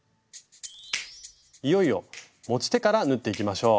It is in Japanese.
いよいよ持ち手から縫っていきましょう。